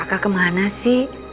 saka kemana sih